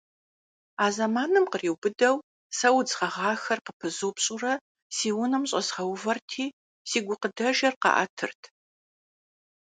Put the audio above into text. А зэманым къриубыдэу сэ удз гъэгъахэр къыпызупщӀурэ си унэм щӀэзгъэувэрти, си гукъыдэжыр къаӀэтырт.